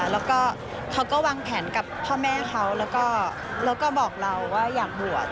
แล้วก็เขาก็วางแผนกับพ่อแม่เขาแล้วก็บอกเราว่าอยากบวช